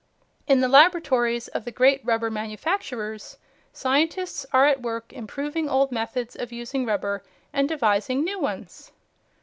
In the laboratories of the great rubber manufacturers, scientists are at work improving old methods of using rubber and devising new ones.